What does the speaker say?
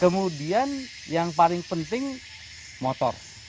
kemudian yang paling penting motor